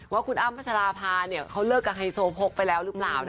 ว่าคุณอ้ำพัชราภาเขาเลิกกับไฮโซโพกไปแล้วหรือเปล่า